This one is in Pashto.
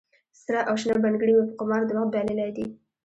سره او شنه بنګړي مې په قمار د وخت بایللې دي